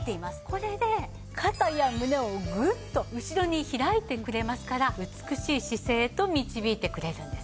これで肩や胸をグッと後ろに開いてくれますから美しい姿勢へと導いてくれるんです。